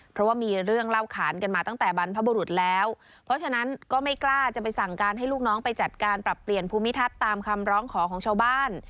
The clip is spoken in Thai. เพราะฉะนั้นก็ไม่กล้าจะไปสั่งการให้ลูกน้องไปจัดการปรับเปลี่ยนภูมิทัศน์ตามคำร้องขอของชาวบ้าน